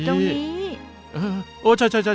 มันอยู่ตรงนี้